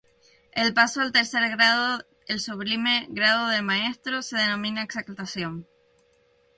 El paso al tercer grado, el sublime grado de Maestro, se denomina exaltación.